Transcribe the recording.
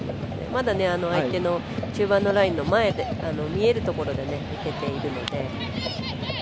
まだ、相手の中盤のラインの前で見えるところで、受けているので。